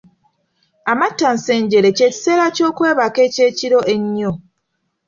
Amattansejjere ky'ekiseera ky’okwebaka eky’ekiro ennyo.